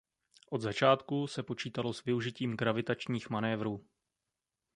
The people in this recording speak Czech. Od začátku se počítalo s využitím "gravitačních manévrů".